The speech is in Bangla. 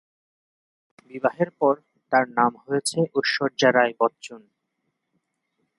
বিবাহের পর তার নাম হয়েছে ঐশ্বর্যা রাই বচ্চন।